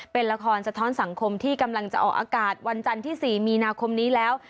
เป็นละครสะท้อนสังคมที่กำลังจะออกอากาศวันจันทร์ที่๔มีนาคมนี้แล้ว